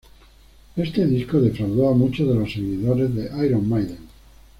Este disco defraudó a muchos de los seguidores de Iron Maiden.